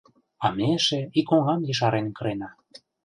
А ме эше ик оҥам ешарен кырена.